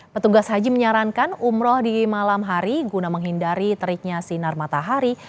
petugas haji menyarankan umroh di malam hari guna menghindari teriknya sinar matahari